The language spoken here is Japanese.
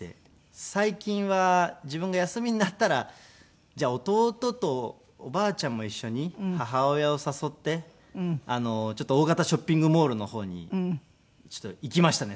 最近は自分が休みになったらじゃあ弟とおばあちゃんも一緒に母親を誘ってちょっと大型ショッピングモールの方に行きましたね